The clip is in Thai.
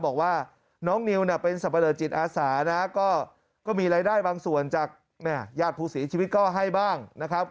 บอกว่าน้องนิวเป็นสรรพเดิร์นจิตอาสาก็มีรายได้บางส่วนจากญาติภูษีชีวิตก็ให้บ้างนะครับ